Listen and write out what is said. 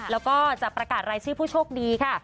แล้วก็จะประกาศรายชื่อผู้โชคดีค่ะ